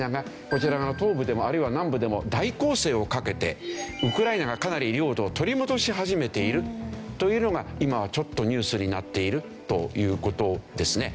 こちらの東部でもあるいは南部でも大攻勢をかけてウクライナがかなり領土を取り戻し始めているというのが今はちょっとニュースになっているという事ですね。